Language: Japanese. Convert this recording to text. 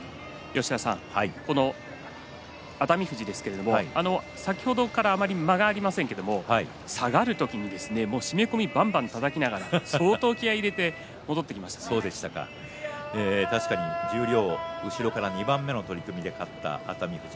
この熱海富士ですけれども先ほどからあまり間がありませんけど下がる時に締め込みをばんばんたたきながら相当気合いを入れて確かに十両後ろから２番目の取組で勝った熱海富士。